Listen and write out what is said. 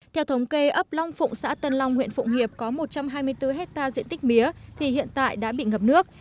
theo thống kê ấp long phụng xã tân long huyện phụng hiệp có một trăm hai mươi bốn hectare diện tích mía thì hiện tại đã bị ngập nước